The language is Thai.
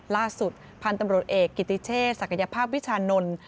ล่าสุดพันธุ์ตำรวจเอกกิติเชษศักยภาพวิชานนท์